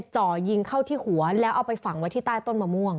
จ่อยิงเข้าที่หัวแล้วเอาไปฝังไว้ที่ใต้ต้นมะม่วง